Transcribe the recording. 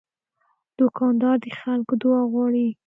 دوکاندار د خلکو دعا غواړي.